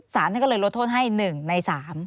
สารท่านก็เลยลดโทษให้๑ใน๓